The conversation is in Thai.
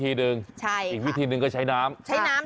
อีกวิธีหนึ่งก็ใช้น้ำ